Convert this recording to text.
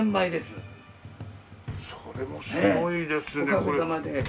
それもすごいですね。